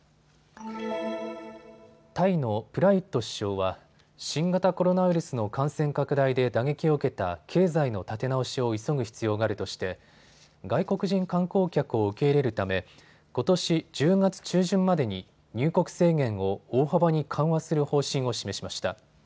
タイのプラユット首相は新型コロナウイルスの感染拡大で打撃を受けた経済の立て直しを急ぐ必要があるとして外国人観光客を受け入れるためことし１０月中旬までに入国制限を大幅に緩和する方針を示しました。